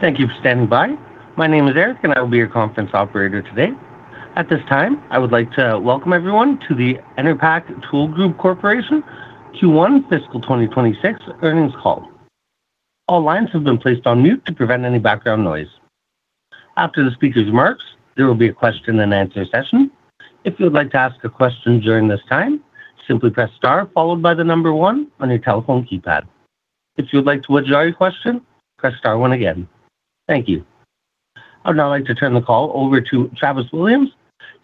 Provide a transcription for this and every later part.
Thank you for standing by. My name is Eric, and I will be your conference operator today. At this time, I would like to welcome everyone to the Enerpac Tool Group Corporation Q1 Fiscal 2026 Earnings Call. All lines have been placed on mute to prevent any background noise. After the speaker's remarks, there will be a question-and-answer session. If you would like to ask a question during this time, simply press star followed by the number one on your telephone keypad. If you would like to withdraw your question, press star one again. Thank you. I would now like to turn the call over to Travis Williams,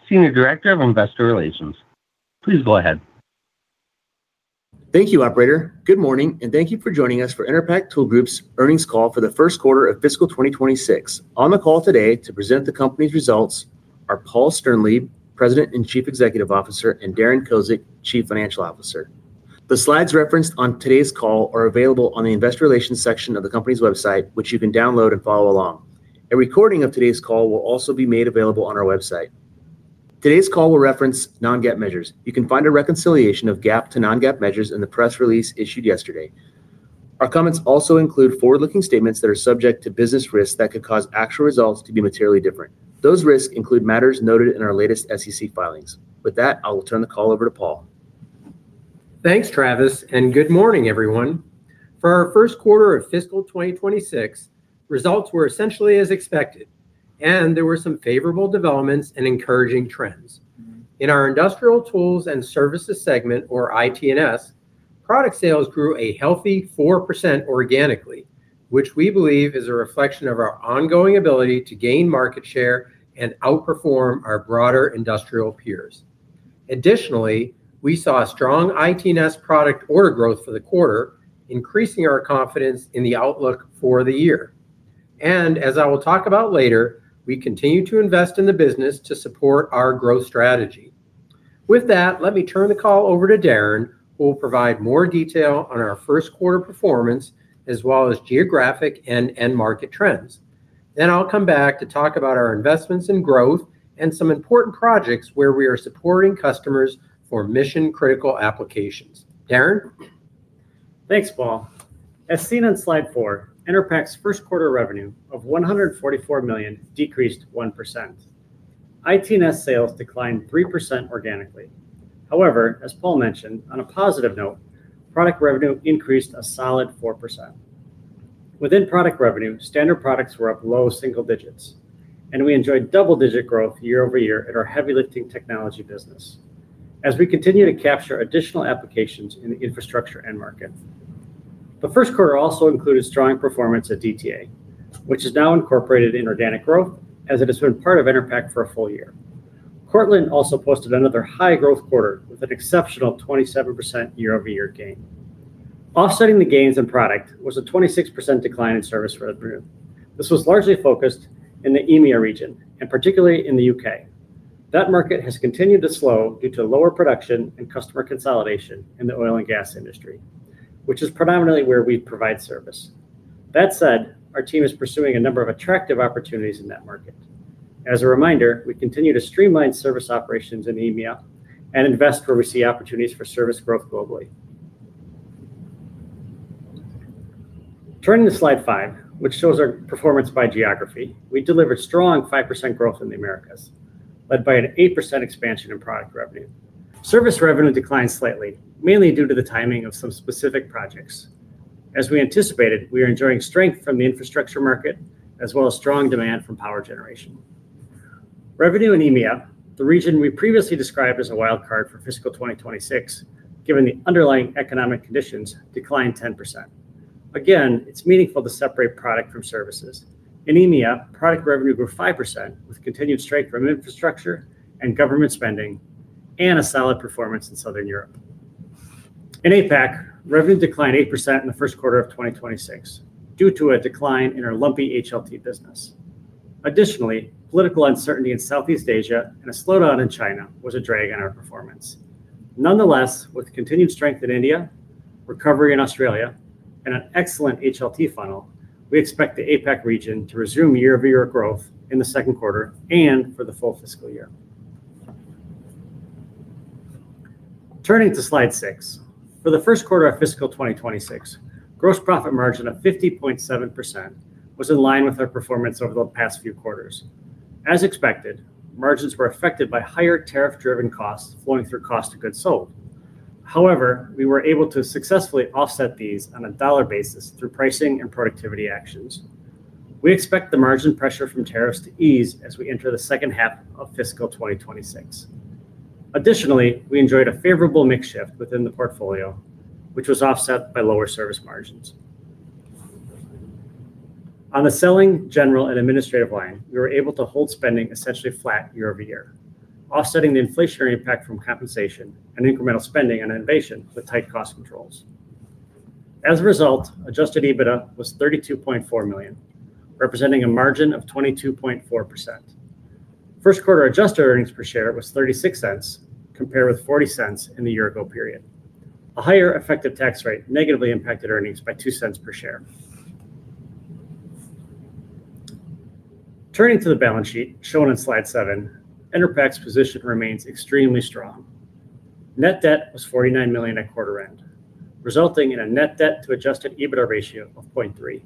Senior Director of Investor Relations. Please go ahead. Thank you, Operator. Good morning, and thank you for joining us for Enerpac Tool Group's Earnings Call for the First Quarter of Fiscal 2026. On the call today to present the company's results are Paul Sternlieb, President and Chief Executive Officer, and Darren Kozikowski, Chief Financial Officer. The slides referenced on today's call are available on the Investor Relations section of the company's website, which you can download and follow along. A recording of today's call will also be made available on our website. Today's call will reference non-GAAP measures. You can find a reconciliation of GAAP to non-GAAP measures in the press release issued yesterday. Our comments also include forward-looking statements that are subject to business risks that could cause actual results to be materially different. Those risks include matters noted in our latest SEC filings. With that, I will turn the call over to Paul. Thanks, Travis, and good morning, everyone. For our first quarter of Fiscal 2026, results were essentially as expected, and there were some favorable developments and encouraging trends. In our Industrial Tools and Services segment, or IT&S, product sales grew a healthy 4% organically, which we believe is a reflection of our ongoing ability to gain market share and outperform our broader industrial peers. Additionally, we saw strong IT&S product order growth for the quarter, increasing our confidence in the outlook for the year, and as I will talk about later, we continue to invest in the business to support our growth strategy. With that, let me turn the call over to Darren who will provide more detail on our first quarter performance as well as geographic and end-market trends. Then I'll come back to talk about our investments in growth and some important projects where we are supporting customers for mission-critical applications. Darren. Thanks, Paul. As seen on Slide 4, Enerpac's first quarter revenue of $144 million decreased 1%. IT&S sales declined 3% organically. However, as Paul mentioned, on a positive note, product revenue increased a solid 4%. Within product revenue, standard products were up low single digits, and we enjoyed double-digit growth year over year at our heavy-lifting technology business as we continue to capture additional applications in the infrastructure end market. The first quarter also included strong performance at DTA, which is now incorporated in organic growth as it has been part of Enerpac for a full year. Cortland also posted another high-growth quarter with an exceptional 27% year-over-year gain. Offsetting the gains in product was a 26% decline in service for the group. This was largely focused in the EMEA region and particularly in the U.K. That market has continued to slow due to lower production and customer consolidation in the oil and gas industry, which is predominantly where we provide service. That said, our team is pursuing a number of attractive opportunities in that market. As a reminder, we continue to streamline service operations in EMEA and invest where we see opportunities for service growth globally. Turning to Slide 5, which shows our performance by geography, we delivered strong 5% growth in the Americas, led by an 8% expansion in product revenue. Service revenue declined slightly, mainly due to the timing of some specific projects. As we anticipated, we are enjoying strength from the infrastructure market as well as strong demand from power generation. Revenue in EMEA, the region we previously described as a wild card for Fiscal 2026, declined 10%. Again, it's meaningful to separate product from services. In EMEA, product revenue grew 5% with continued strength from infrastructure and government spending and a solid performance in Southern Europe. In APAC, revenue declined 8% in the first quarter of 2026 due to a decline in our lumpy HLT business. Additionally, political uncertainty in Southeast Asia and a slowdown in China was a drag on our performance. Nonetheless, with continued strength in India, recovery in Australia, and an excellent HLT funnel, we expect the APAC region to resume year-over-year growth in the second quarter and for the full fiscal year. Turning to Slide 6, for the first quarter of fiscal 2026, gross profit margin of 50.7% was in line with our performance over the past few quarters. As expected, margins were affected by higher tariff-driven costs flowing through cost of goods sold. However, we were able to successfully offset these on a dollar basis through pricing and productivity actions. We expect the margin pressure from tariffs to ease as we enter the second half of fiscal 2026. Additionally, we enjoyed a favorable mix shift within the portfolio, which was offset by lower service margins. On the selling, general, and administrative line, we were able to hold spending essentially flat year over year, offsetting the inflationary impact from compensation and incremental spending on innovation with tight cost controls. As a result, Adjusted EBITDA was $32.4 million, representing a margin of 22.4%. First quarter adjusted earnings per share was $0.36 compared with $0.40 in the year-ago period. A higher effective tax rate negatively impacted earnings by $0.02 per share. Turning to the balance sheet shown on Slide 7, Enerpac's position remains extremely strong. Net debt was $49 million at quarter end, resulting in a net debt-to-Adjusted EBITDA ratio of 0.3.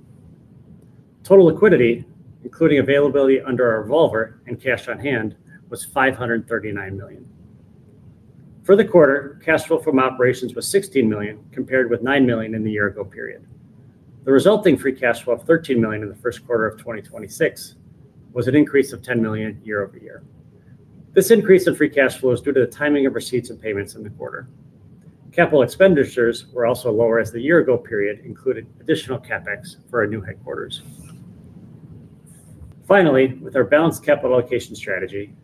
Total liquidity, including availability under our revolver and cash on hand, was $539 million. For the quarter, cash flow from operations was $16 million compared with $9 million in the year-ago period. The resulting free cash flow of $13 million in the first quarter of 2026 was an increase of $10 million year-over-year. This increase in free cash flow is due to the timing of receipts and payments in the quarter. Capital expenditures were also lower as the year-ago period included additional CapEx for our new headquarters. Finally, with our balanced capital allocation strategy,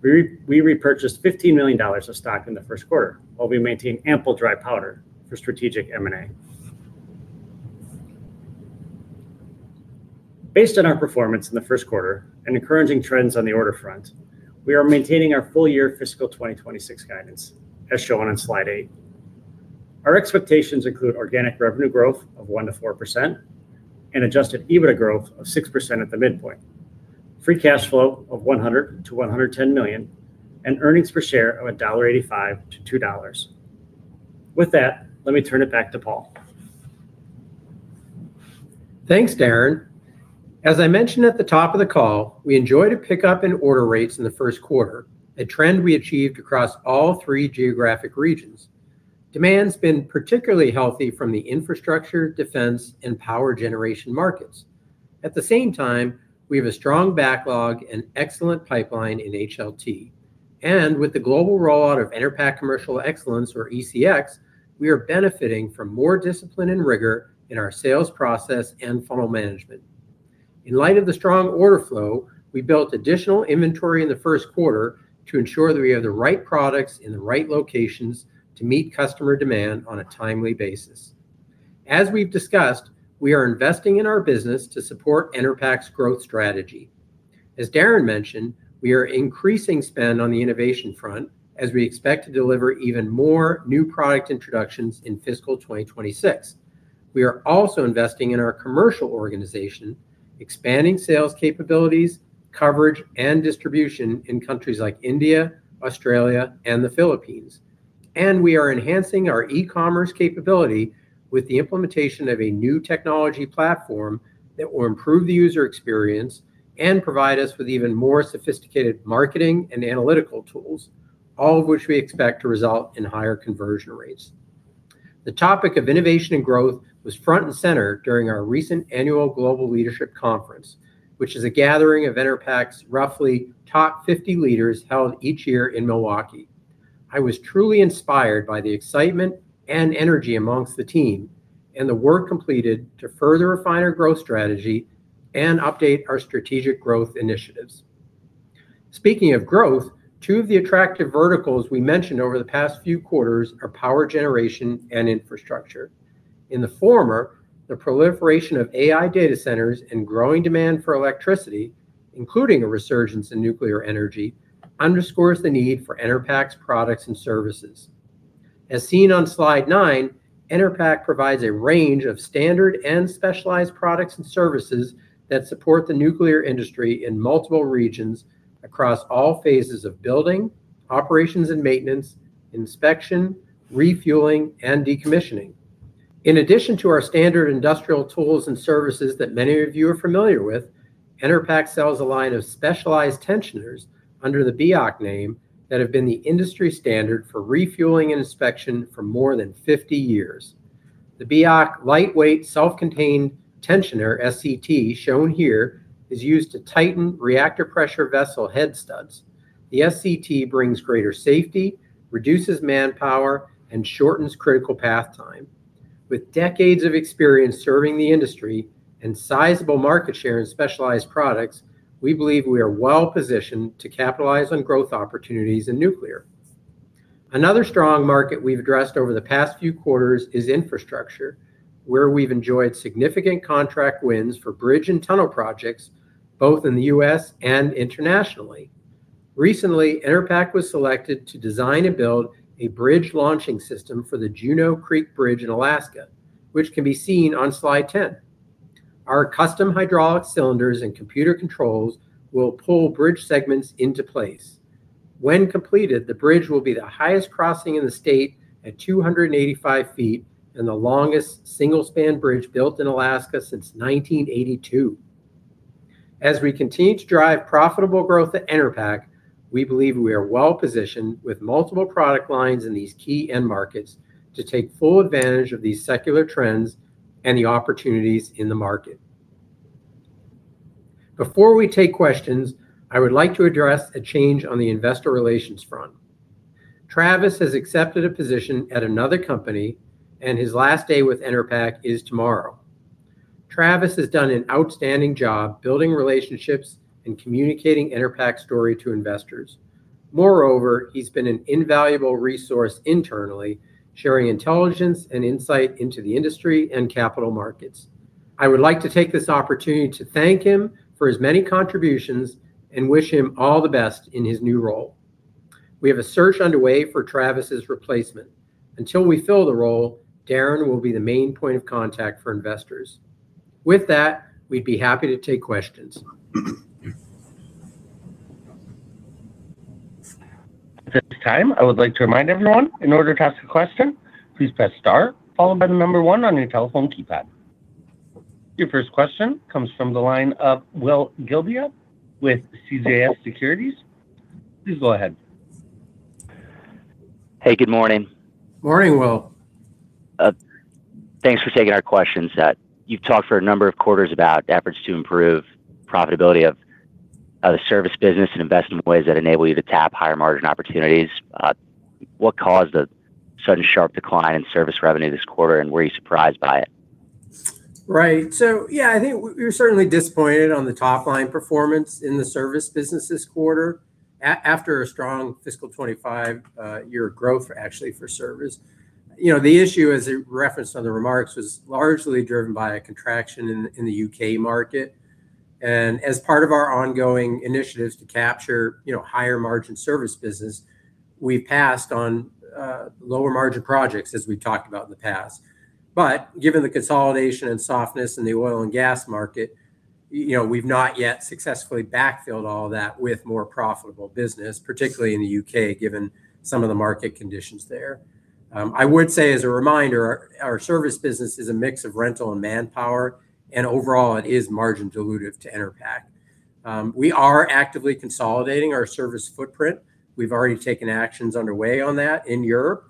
we repurchased $15 million of stock in the first quarter, while we maintain ample dry powder for strategic M&A. Based on our performance in the first quarter and encouraging trends on the order front, we are maintaining our full-year fiscal 2026 guidance as shown on Slide 8. Our expectations include organic revenue growth of 1%-4% and adjusted EBITDA growth of 6% at the midpoint, free cash flow of $100-$110 million, and earnings per share of $1.85-$2. With that, let me turn it back to Paul. Thanks, Darren. As I mentioned at the top of the call, we enjoyed a pickup in order rates in the first quarter, a trend we achieved across all three geographic regions. Demand's been particularly healthy from the infrastructure, defense, and power generation markets. At the same time, we have a strong backlog and excellent pipeline in HLT. And with the global rollout of Enerpac Commercial Excellence, or ECX, we are benefiting from more discipline and rigor in our sales process and funnel management. In light of the strong order flow, we built additional inventory in the first quarter to ensure that we have the right products in the right locations to meet customer demand on a timely basis. As we've discussed, we are investing in our business to support Enerpac's growth strategy. As Darren mentioned, we are increasing spend on the innovation front as we expect to deliver even more new product introductions in fiscal 2026. We are also investing in our commercial organization, expanding sales capabilities, coverage, and distribution in countries like India, Australia, and the Philippines, and we are enhancing our e-commerce capability with the implementation of a new technology platform that will improve the user experience and provide us with even more sophisticated marketing and analytical tools, all of which we expect to result in higher conversion rates. The topic of innovation and growth was front and center during our recent annual Global Leadership Conference, which is a gathering of Enerpac's roughly top 50 leaders held each year in Milwaukee. I was truly inspired by the excitement and energy among the team and the work completed to further refine our growth strategy and update our strategic growth initiatives. Speaking of growth, two of the attractive verticals we mentioned over the past few quarters are power generation and infrastructure. In the former, the proliferation of AI data centers and growing demand for electricity, including a resurgence in nuclear energy, underscores the need for Enerpac's products and services. As seen on Slide 9, Enerpac provides a range of standard and specialized products and services that support the nuclear industry in multiple regions across all phases of building, operations and maintenance, inspection, refueling, and decommissioning. In addition to our standard industrial tools and services that many of you are familiar with, Enerpac sells a line of specialized tensioners under the Biach name that have been the industry standard for refueling and inspection for more than 50 years. The Biach lightweight self-contained tensioner, SCT, shown here is used to tighten reactor pressure vessel head studs. The SCT brings greater safety, reduces manpower, and shortens critical path time. With decades of experience serving the industry and sizable market share in specialized products, we believe we are well positioned to capitalize on growth opportunities in nuclear. Another strong market we've addressed over the past few quarters is infrastructure, where we've enjoyed significant contract wins for bridge and tunnel projects both in the U.S. and internationally. Recently, Enerpac was selected to design and build a bridge launching system for the Juneau Creek Bridge in Alaska, which can be seen on Slide 10. Our custom hydraulic cylinders and computer controls will pull bridge segments into place. When completed, the bridge will be the highest crossing in the state at 285 feet and the longest single-span bridge built in Alaska since 1982. As we continue to drive profitable growth at Enerpac, we believe we are well positioned with multiple product lines in these key end markets to take full advantage of these secular trends and the opportunities in the market. Before we take questions, I would like to address a change on the investor relations front. Travis has accepted a position at another company, and his last day with Enerpac is tomorrow. Travis has done an outstanding job building relationships and communicating Enerpac's story to investors. Moreover, he's been an invaluable resource internally, sharing intelligence and insight into the industry and capital markets. I would like to take this opportunity to thank him for his many contributions and wish him all the best in his new role. We have a search underway for Travis's replacement. Until we fill the role, Darren will be the main point of contact for investors. With that, we'd be happy to take questions. At this time, I would like to remind everyone in order to ask a question, please press star, followed by the number one on your telephone keypad. Your first question comes from the line of Will Gildea with CJS Securities. Please go ahead. Hey, good morning. Morning, Will. Thanks for taking our questions. You've talked for a number of quarters about efforts to improve the profitability of the service business and invest in ways that enable you to tap higher margin opportunities. What caused a sudden sharp decline in service revenue this quarter, and were you surprised by it? Right. So yeah, I think we were certainly disappointed on the top-line performance in the service business this quarter after a strong fiscal 2025 year growth, actually, for service. The issue, as you referenced on the remarks, was largely driven by a contraction in the U.K. market. And as part of our ongoing initiatives to capture higher margin service business, we passed on lower margin projects, as we've talked about in the past. But given the consolidation and softness in the oil and gas market, we've not yet successfully backfilled all that with more profitable business, particularly in the U.K., given some of the market conditions there. I would say, as a reminder, our service business is a mix of rental and manpower, and overall, it is margin-dilutive to Enerpac. We are actively consolidating our service footprint. We've already taken actions underway on that in Europe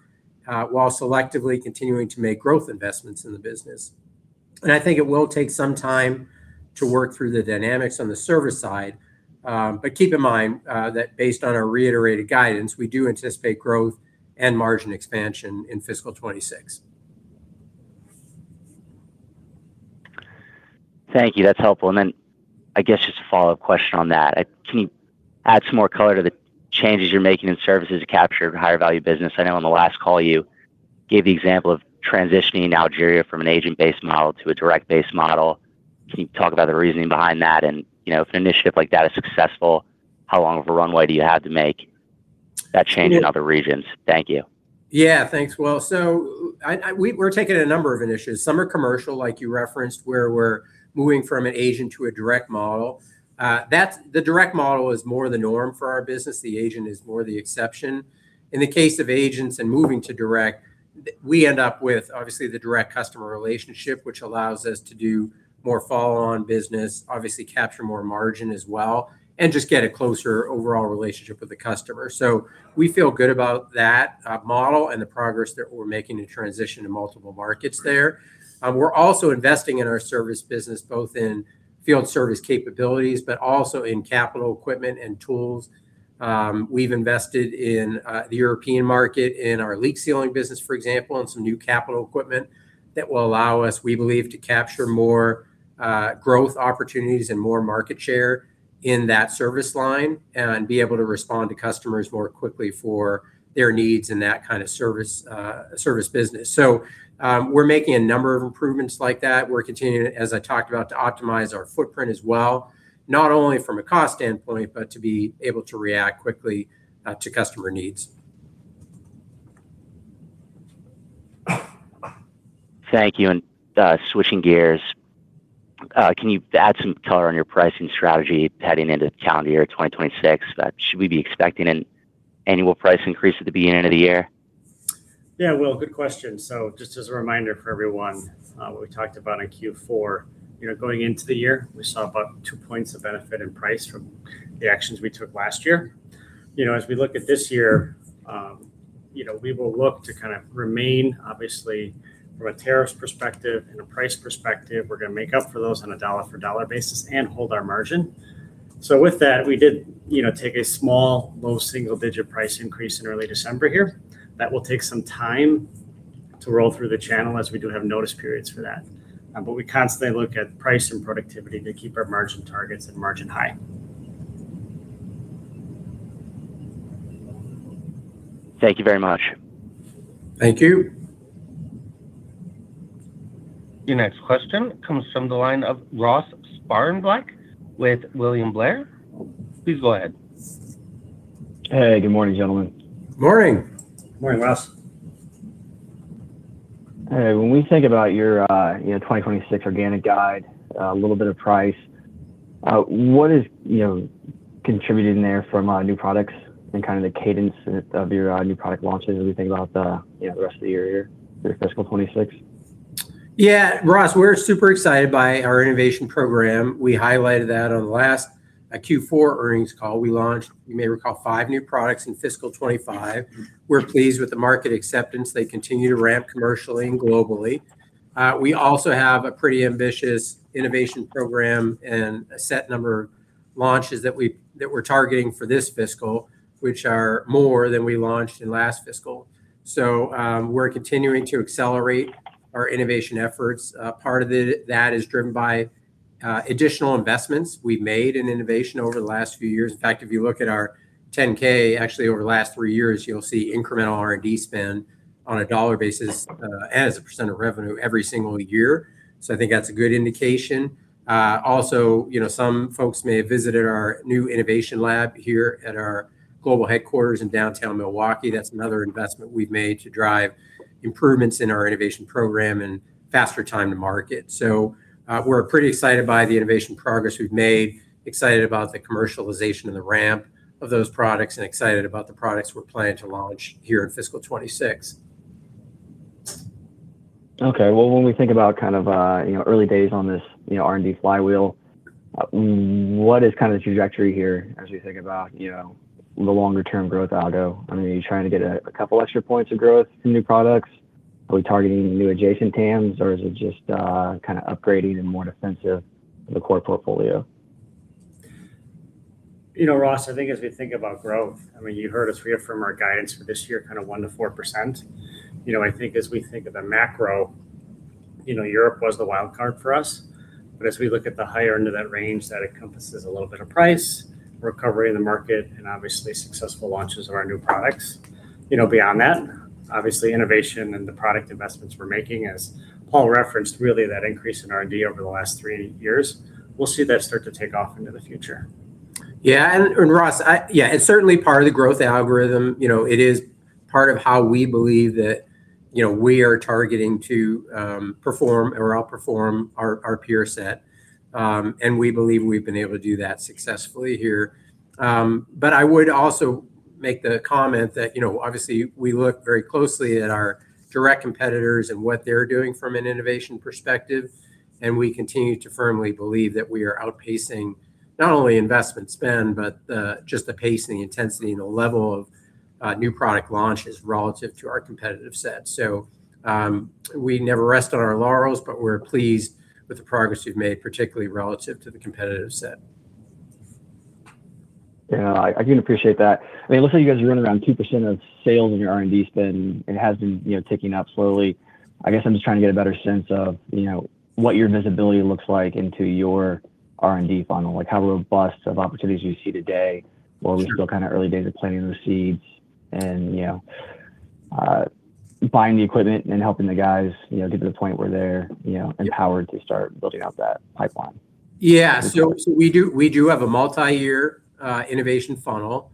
while selectively continuing to make growth investments in the business, and I think it will take some time to work through the dynamics on the service side, but keep in mind that based on our reiterated guidance, we do anticipate growth and margin expansion in fiscal 2026. Thank you. That's helpful. And then I guess just a follow-up question on that. Can you add some more color to the changes you're making in services to capture higher value business? I know on the last call, you gave the example of transitioning Algeria from an agent-based model to a direct-based model. Can you talk about the reasoning behind that? And if an initiative like that is successful, how long of a runway do you have to make that change in other regions? Thank you. Yeah, thanks, Will. So we're taking a number of initiatives. Some are commercial, like you referenced, where we're moving from an agent to a direct model. The direct model is more the norm for our business. The agent is more the exception. In the case of agents and moving to direct, we end up with, obviously, the direct customer relationship, which allows us to do more follow-on business, obviously capture more margin as well, and just get a closer overall relationship with the customer. So we feel good about that model and the progress that we're making to transition to multiple markets there. We're also investing in our service business, both in field service capabilities, but also in capital equipment and tools. We've invested in the European market in our leak sealing business, for example, and some new capital equipment that will allow us, we believe, to capture more growth opportunities and more market share in that service line and be able to respond to customers more quickly for their needs in that kind of service business. So we're making a number of improvements like that. We're continuing, as I talked about, to optimize our footprint as well, not only from a cost standpoint, but to be able to react quickly to customer needs. Thank you. And switching gears, can you add some color on your pricing strategy heading into the calendar year 2026? Should we be expecting an annual price increase at the beginning of the year? Yeah, Will, good question. So just as a reminder for everyone, what we talked about in Q4, going into the year, we saw about two points of benefit in price from the actions we took last year. As we look at this year, we will look to kind of remain, obviously, from a tariff perspective and a price perspective, we're going to make up for those on a dollar-for-dollar basis and hold our margin. So with that, we did take a small, low single-digit price increase in early December here. That will take some time to roll through the channel as we do have notice periods for that. But we constantly look at price and productivity to keep our margin targets and margin high. Thank you very much. Thank you. Your next question comes from the line of Ross Sparenblek with William Blair. Please go ahead. Hey, good morning, gentlemen. Morning. Morning, Ross. Hey, when we think about your 2026 organic guide, a little bit of price, what is contributing there from new products and kind of the cadence of your new product launches as we think about the rest of the year here, fiscal 26? Yeah, Ross, we're super excited by our innovation program. We highlighted that on the last Q4 earnings call. We launched, you may recall, five new products in fiscal 2025. We're pleased with the market acceptance. They continue to ramp commercially and globally. We also have a pretty ambitious innovation program and a set number of launches that we're targeting for this fiscal, which are more than we launched in last fiscal. So we're continuing to accelerate our innovation efforts. Part of that is driven by additional investments we've made in innovation over the last few years. In fact, if you look at our 10-K, actually, over the last three years, you'll see incremental R&D spend on a dollar basis as a % of revenue every single year. So I think that's a good indication. Also, some folks may have visited our new innovation lab here at our global headquarters in downtown Milwaukee. That's another investment we've made to drive improvements in our innovation program and faster time to market. So we're pretty excited by the innovation progress we've made, excited about the commercialization and the ramp of those products, and excited about the products we're planning to launch here in fiscal 26. Okay. Well, when we think about kind of early days on this R&D flywheel, what is kind of the trajectory here as we think about the longer-term growth algo? I mean, are you trying to get a couple extra points of growth from new products? Are we targeting new adjacent TAMs, or is it just kind of upgrading and more defensive of the core portfolio? You know, Ross, I think as we think about growth, I mean, you heard us here from our guidance for this year, kind of 1%-4%. I think as we think of the macro, Europe was the wild card for us. But as we look at the higher end of that range that encompasses a little bit of price, recovery in the market, and obviously successful launches of our new products, beyond that, obviously innovation and the product investments we're making, as Paul referenced, really that increase in R&D over the last three years, we'll see that start to take off into the future. Yeah. And Ross, yeah, it's certainly part of the growth algorithm. It is part of how we believe that we are targeting to perform or outperform our peer set. And we believe we've been able to do that successfully here. But I would also make the comment that, obviously, we look very closely at our direct competitors and what they're doing from an innovation perspective. And we continue to firmly believe that we are outpacing not only investment spend, but just the pace and the intensity and the level of new product launches relative to our competitive set. So we never rest on our laurels, but we're pleased with the progress we've made, particularly relative to the competitive set. Yeah, I can appreciate that. I mean, it looks like you guys are running around 2% of sales and your R&D spend. It has been ticking up slowly. I guess I'm just trying to get a better sense of what your visibility looks like into your R&D funnel, like how robust of opportunities you see today. Are we still kind of early days of planting the seeds and buying the equipment and helping the guys get to the point where they're empowered to start building out that pipeline? Yeah, so we do have a multi-year innovation funnel,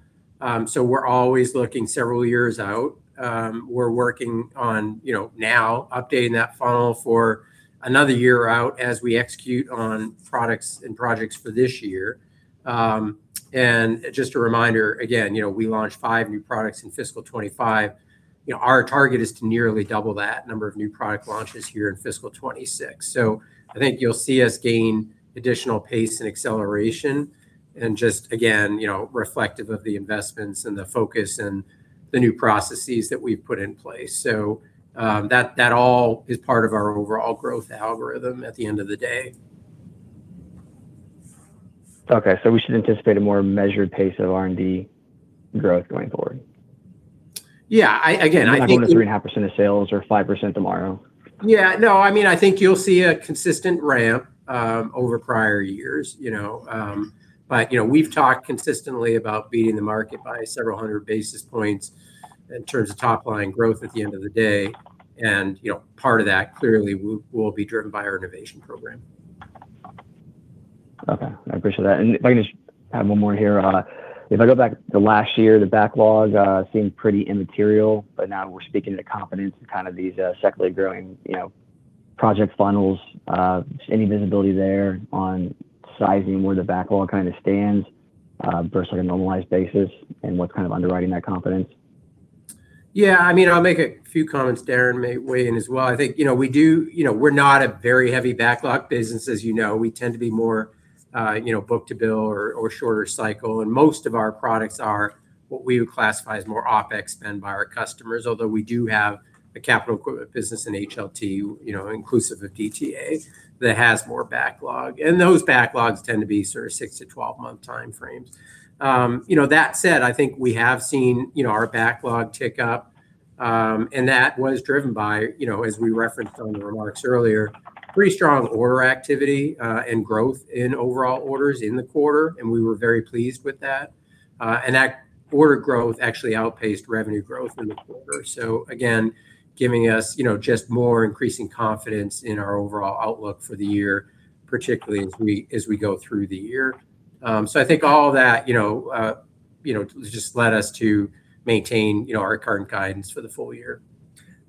so we're always looking several years out. We're working on now updating that funnel for another year out as we execute on products and projects for this year, and just a reminder, again, we launched five new products in fiscal 2025. Our target is to nearly double that number of new product launches here in fiscal 2026, so I think you'll see us gain additional pace and acceleration and just, again, reflective of the investments and the focus and the new processes that we've put in place, so that all is part of our overall growth algorithm at the end of the day. Okay, so we should anticipate a more measured pace of R&D growth going forward. Yeah. Again, I think. Not going to 3.5% of sales or 5% tomorrow. Yeah. No, I mean, I think you'll see a consistent ramp over prior years. But we've talked consistently about beating the market by several hundred basis points in terms of top-line growth at the end of the day. And part of that clearly will be driven by our innovation program. Okay. I appreciate that. And if I can just add one more here. If I go back to last year, the backlog seemed pretty immaterial, but now we're speaking to confidence in kind of these steadily growing project funnels. Any visibility there on sizing, where the backlog kind of stands versus a normalized basis and what's kind of underwriting that confidence? Yeah. I mean, I'll make a few comments, Darren may weigh in as well. I think we're not a very heavy backlog business, as you know. We tend to be more book-to-bill or shorter cycle. And most of our products are what we would classify as more OpEx spend by our customers, although we do have a capital equipment business in HLT, inclusive of DTA, that has more backlog. And those backlogs tend to be sort of six to 12-month time frames. That said, I think we have seen our backlog tick up, and that was driven by, as we referenced on the remarks earlier, pretty strong order activity and growth in overall orders in the quarter, and we were very pleased with that, and that order growth actually outpaced revenue growth in the quarter. So again, giving us just more increasing confidence in our overall outlook for the year, particularly as we go through the year. So I think all of that just led us to maintain our current guidance for the full year.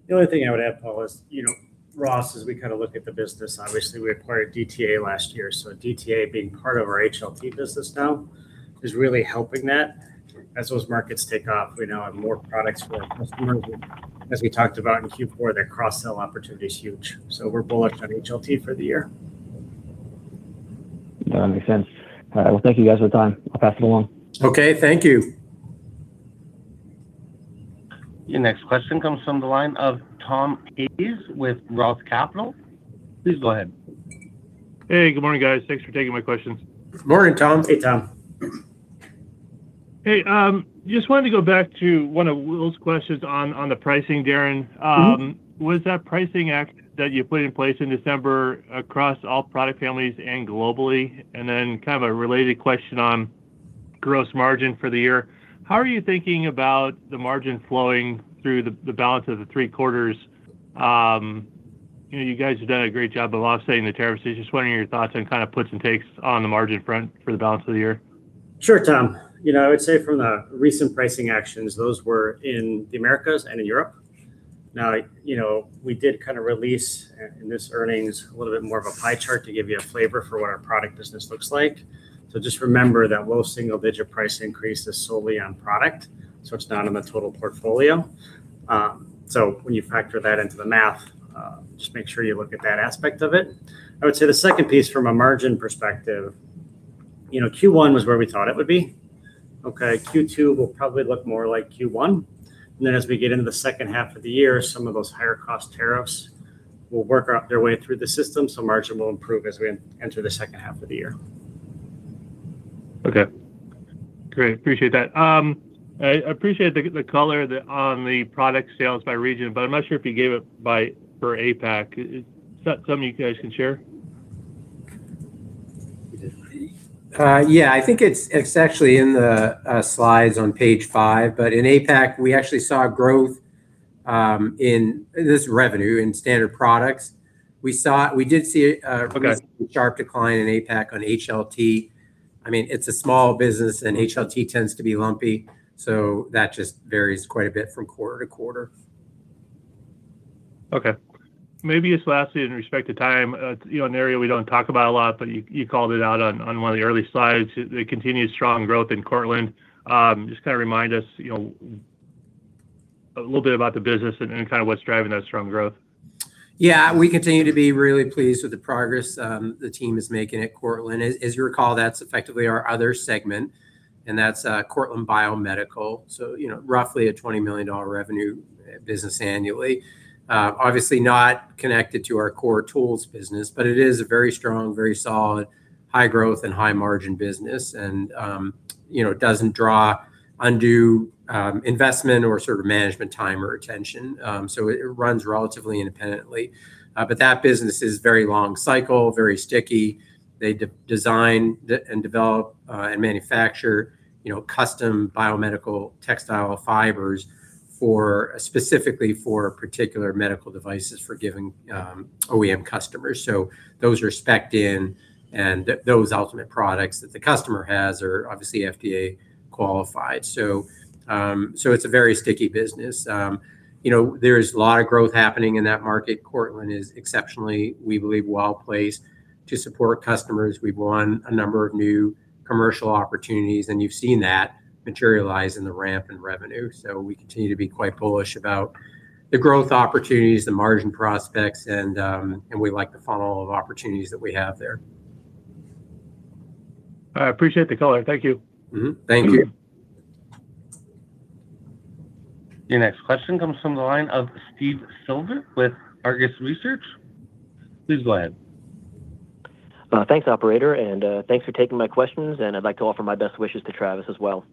The only thing I would add, Paul, is, Ross, as we kind of look at the business, obviously, we acquired DTA last year. So DTA being part of our HLT business now is really helping that. As those markets take off, we now have more products for our customers. As we talked about in Q4, that cross-sell opportunity is huge. So we're bullish on HLT for the year. That makes sense. Well, thank you guys for the time. I'll pass it along. Okay. Thank you. Your next question comes from the line of Tom Hayes with Northcoast Research. Please go ahead. Hey, good morning, guys. Thanks for taking my questions. Good morning, Tom. Hey, Tom. Hey. Just wanted to go back to one of Will's questions on the pricing, Darren. Was that pricing action that you put in place in December across all product families and globally? And then kind of a related question on gross margin for the year. How are you thinking about the margin flowing through the balance of the three quarters? You guys have done a great job of offsetting the tariffs. Just wondering your thoughts on kind of puts and takes on the margin front for the balance of the year. Sure, Tom. I would say from the recent pricing actions, those were in the Americas and in Europe. Now, we did kind of release in this earnings a little bit more of a pie chart to give you a flavor for what our product business looks like. So just remember that low single-digit price increase is solely on product. So it's not on the total portfolio. So when you factor that into the math, just make sure you look at that aspect of it. I would say the second piece from a margin perspective, Q1 was where we thought it would be. Okay. Q2 will probably look more like Q1. And then as we get into the second half of the year, some of those higher cost tariffs will work out their way through the system. So margin will improve as we enter the second half of the year. Okay. Great. Appreciate that. I appreciate the color on the product sales by region, but I'm not sure if you gave it by for APAC. Is that something you guys can share? Yeah. I think it's actually in the slides on page five. But in APAC, we actually saw growth in this revenue in standard products. We did see a sharp decline in APAC on HLT. I mean, it's a small business, and HLT tends to be lumpy. So that just varies quite a bit from quarter to quarter. Okay. Maybe just lastly in respect to time, an area we don't talk about a lot, but you called it out on one of the early slides, the continued strong growth in Cortland. Just kind of remind us a little bit about the business and kind of what's driving that strong growth? Yeah. We continue to be really pleased with the progress the team is making at Cortland. As you recall, that's effectively our other segment, and that's Cortland Biomedical. So roughly a $20 million revenue business annually. Obviously, not connected to our core tools business, but it is a very strong, very solid, high-growth and high-margin business. And it doesn't draw undue investment or sort of management time or attention. So it runs relatively independently. But that business is very long cycle, very sticky. They design and develop and manufacture custom biomedical textile fibers specifically for particular medical devices for giving OEM customers. So those are specked in. And those ultimate products that the customer has are obviously FDA qualified. So it's a very sticky business. There's a lot of growth happening in that market. Cortland is exceptionally, we believe, well placed to support customers. We've won a number of new commercial opportunities. And you've seen that materialize in the ramp in revenue. So we continue to be quite bullish about the growth opportunities, the margin prospects, and we like the funnel of opportunities that we have there. I appreciate the color. Thank you. Thank you. Your next question comes from the line of Steve Silver with Argus Research. Please go ahead. Thanks, operator. And thanks for taking my questions. And I'd like to offer my best wishes to Travis as well.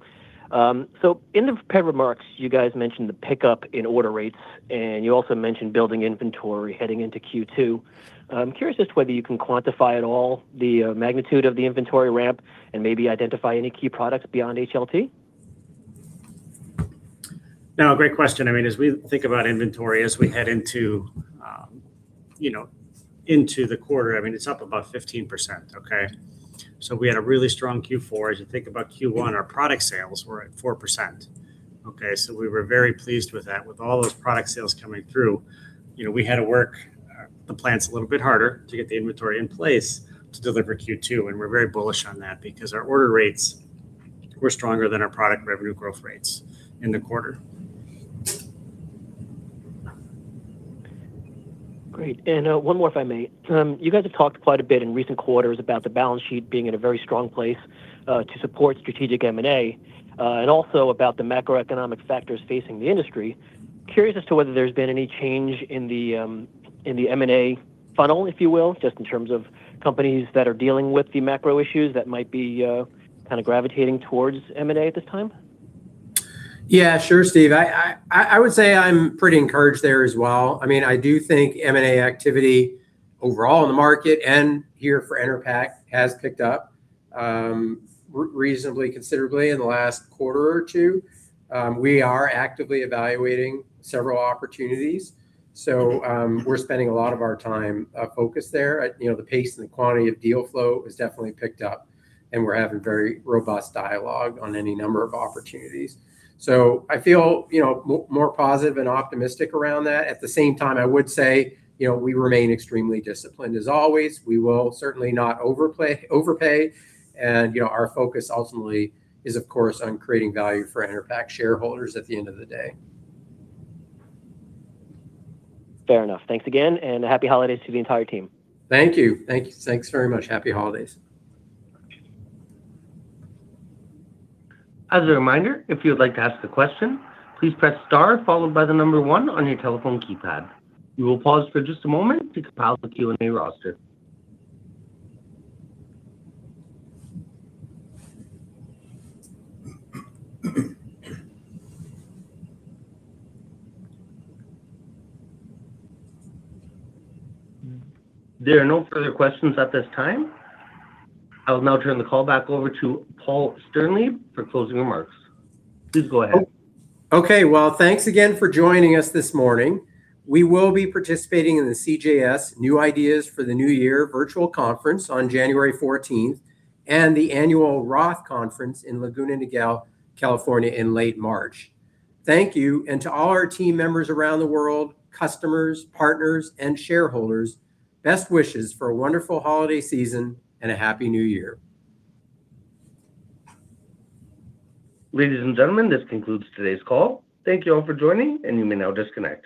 So in the remarks, you guys mentioned the pickup in order rates. And you also mentioned building inventory heading into Q2. I'm curious just whether you can quantify at all the magnitude of the inventory ramp and maybe identify any key products beyond HLT? No, great question. I mean, as we think about inventory, as we head into the quarter, I mean, it's up about 15%. Okay. So we had a really strong Q4. As you think about Q1, our product sales were at 4%. Okay. So we were very pleased with that. With all those product sales coming through, we had to work the plants a little bit harder to get the inventory in place to deliver Q2. And we're very bullish on that because our order rates were stronger than our product revenue growth rates in the quarter. Great. And one more if I may. You guys have talked quite a bit in recent quarters about the balance sheet being in a very strong place to support strategic M&A and also about the macroeconomic factors facing the industry. Curious as to whether there's been any change in the M&A funnel, if you will, just in terms of companies that are dealing with the macro issues that might be kind of gravitating towards M&A at this time? Yeah, sure, Steve. I would say I'm pretty encouraged there as well. I mean, I do think M&A activity overall in the market and here for Enerpac has picked up reasonably considerably in the last quarter or two. We are actively evaluating several opportunities. So we're spending a lot of our time focused there. The pace and the quantity of deal flow has definitely picked up, and we're having very robust dialogue on any number of opportunities, so I feel more positive and optimistic around that. At the same time, I would say we remain extremely disciplined as always. We will certainly not overpay, and our focus ultimately is, of course, on creating value for Enerpac shareholders at the end of the day. Fair enough. Thanks again, and happy holidays to the entire team. Thank you. Thank you. Thanks very much. Happy holidays. As a reminder, if you'd like to ask a question, please press star followed by the number one on your telephone keypad. We will pause for just a moment to compile the Q&A roster. There are no further questions at this time. I will now turn the call back over to Paul Sternlieb for closing remarks. Please go ahead. Okay. Well, thanks again for joining us this morning. We will be participating in the CJS New Ideas for the New Year virtual conference on January 14th and the annual Roth conference in Laguna Niguel, California in late March. Thank you. And to all our team members around the world, customers, partners, and shareholders, best wishes for a wonderful holiday season and a happy new year. Ladies and gentlemen, this concludes today's call. Thank you all for joining, and you may now disconnect.